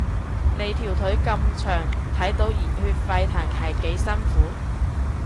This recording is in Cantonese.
你條腿咁長，睇到熱血沸騰係幾辛苦